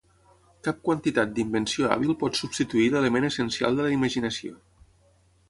Cap quantitat d'invenció hàbil pot substituir l'element essencial de la imaginació.